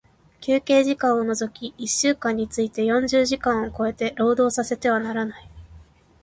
休憩時間を除き一週間について四十時間を超えて、労働させてはならない。